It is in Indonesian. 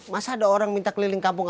masa ada orang minta keliling kampung